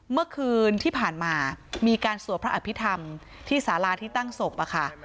เมื่อคืนที่ผ่านมามีการสวดพระอภิษฐรรมที่สาราที่ตั้งศพอะค่ะ